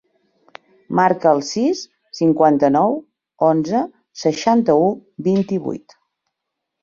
Marca el sis, cinquanta-nou, onze, seixanta-u, vint-i-vuit.